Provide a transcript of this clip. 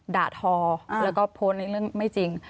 ด่าทอแล้วก็โพสต์ในเรื่องไม่จริง